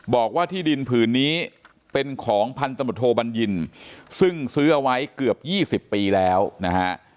บอกว่าที่ดินผืนนี้เป็นของพันธมตโทบัญญินซึ่งซื้อเอาไว้เกือบ๒๐ปีแล้วนะฮะ